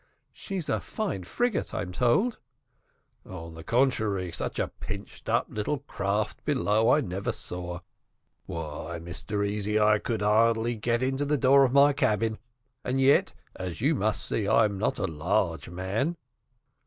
"She's a fine frigate, I'm told." "On the contrary, such a pinched up little craft below I never saw. Why, Mr Easy, I could hardly get into the door of my cabin and yet, as you must see, I'm not a large man."